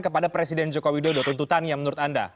kepada presiden jokowi dodo tuntutani yang menurut anda